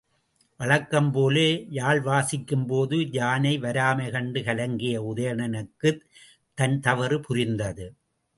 வழக்கம்போல யாழ் வாசிக்கும்போது யானை வராமை கண்டு கலங்கிய உதயணனுக்குத் தன் தவறு புரிந்தது.